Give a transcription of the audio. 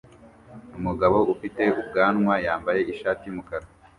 Umugabo ufite ubwanwa yambaye ishati yumukara